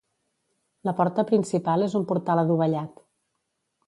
La porta principal és un portal adovellat.